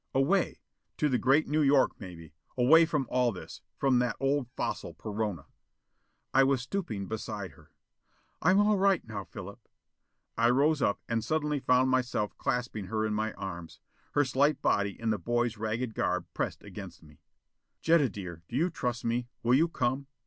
"Away. To Great New York, maybe. Away from all this; from that old fossil, Perona." I was stooping beside her. "I'm all right now, Philip." I rose up, and suddenly found myself clasping her in my arms; her slight body in the boy's ragged garb pressed against me. "Jetta, dear, do you trust me? Will you come?"